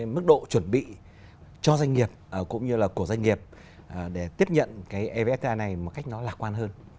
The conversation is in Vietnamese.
mức độ chuẩn bị cho doanh nghiệp cũng như là của doanh nghiệp để tiếp nhận cái evfta này một cách nó lạc quan hơn